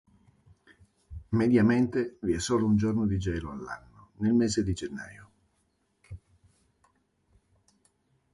Mediamente vi è un solo giorno di gelo all'anno, nel mese di gennaio.